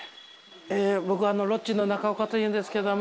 僕ロッチの中岡というんですけども。